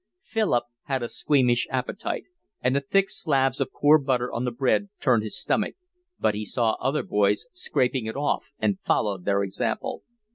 Philip had a squeamish appetite, and the thick slabs of poor butter on the bread turned his stomach, but he saw other boys scraping it off and followed their example.